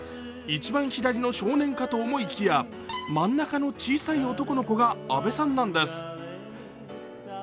一番左の少年かと思いきや真ん中の小さい男の子が阿部さんなんです。